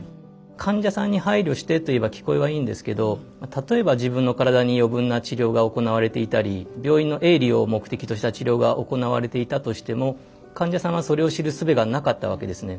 患者さんに配慮してといえば聞こえはいいんですけど例えば自分の体に余分な治療が行われていたり病院の営利を目的とした治療が行われていたとしても患者さんはそれを知るすべがなかったわけですね。